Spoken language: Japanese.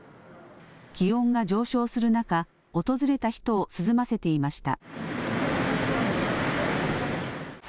気温が上昇する中、訪れた人を涼ませていました。